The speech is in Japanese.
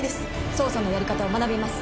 「捜査のやり方を学びます」